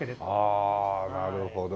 ああなるほどね。